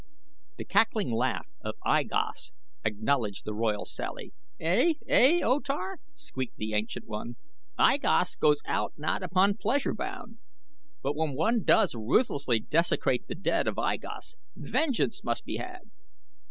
The cackling laugh of I Gos acknowledged the royal sally. "Ey, ey, O Tar," squeaked the ancient one, "I Gos goes out not upon pleasure bound; but when one does ruthlessly desecrate the dead of I Gos, vengeance must be had!"